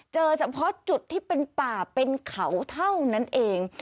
เฉพาะจุดที่เป็นป่าเป็นเขาเท่านั้นเอง